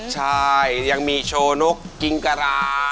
ใช่ยังมีโชว์นกกิงกะรา